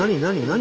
何？